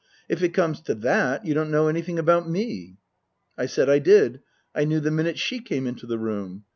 If it comes to that, you don't know anything about me." I said I did ; I knew the minute she came into the room.